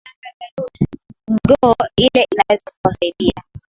go ile inaweza kuwasaidia